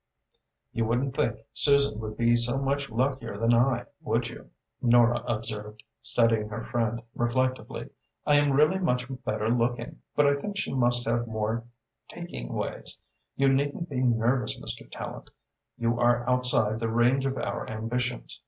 "You wouldn't think Susan would be so much luckier than I, would you?" Nora observed, studying her friend reflectively. "I am really much better looking, but I think she must have more taking ways. You needn't be nervous, Mr. Tallente. You are outside the range of our ambitions.